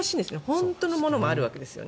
本当のものもあるわけです。